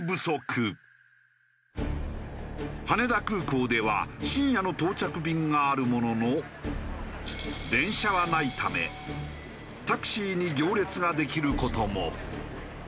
羽田空港では深夜の到着便があるものの電車はないためタクシーに行列ができる事も。